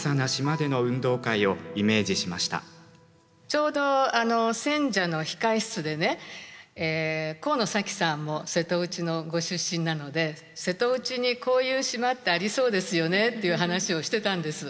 ちょうど選者の控え室でね神野紗希さんも瀬戸内のご出身なので「瀬戸内にこういう島ってありそうですよね」っていう話をしてたんです。